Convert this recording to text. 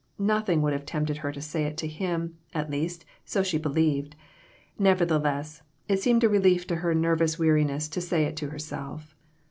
Noth ing would have tempted her to say it to him, at least, so she believed; nevertheless, it seemed a relief to her nervous weariness to say it to her self.